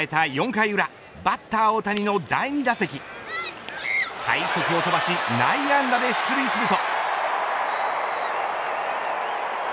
４回裏バッター大谷の第２打席快速を飛ばし内野安打で出塁すると。